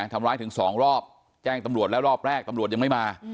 ทำร้ายถึง๒รอบแจ้งตำรวจแล้วรอบแรกตำรวจยังไม่มา